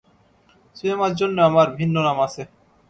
সিনেমার জন্যে আমার ভিন্ন নাম আছে।